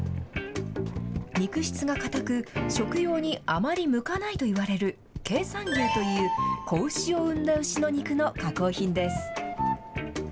肉質が硬く、食用にあまり向かないといわれる経産牛という、子牛を産んだ牛の肉の加工品です。